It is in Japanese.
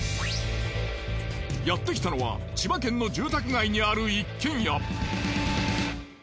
やってきたのは千葉県の住宅街にある一軒家。